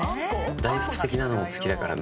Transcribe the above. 大福的なのも好きだからな。